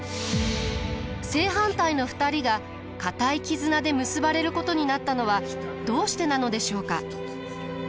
正反対の２人が固い絆で結ばれることになったのはどうしてなのでしょうか？